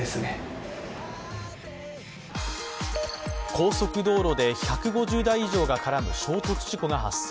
高速道路で１５０台以上が絡む衝突事故が発生。